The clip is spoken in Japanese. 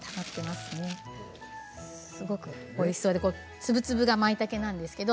すごくおいしそうで粒々がまいたけなんですけれど